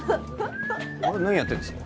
あれ何やってんですか？